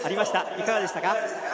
いかがでしたか？